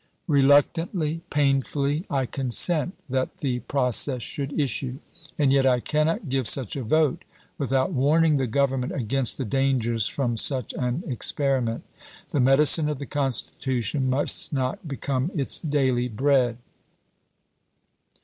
Reluctantly, painfully, I consent that the pro cess should issue. And yet I cannot give such a vote without warning the Government against the dangers from such an experiment. The medicine of the Constitu tion must not become its daily bread.